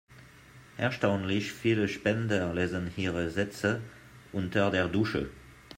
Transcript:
Erstaunlich viele Spender lesen ihre Sätze unter der Dusche.